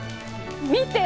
見て！